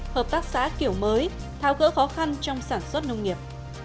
hợp tác xã kiểu mới thao cỡ khó khăn trong sản xuất nông nghiệp